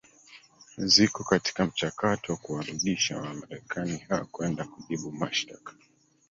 ziko katika mchakato wa kuwarudisha wamarekani hao kwenda kujibu mashtaka